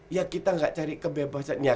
ya kita gak cari kebebasannya